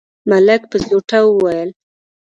ملک په زوټه وويل: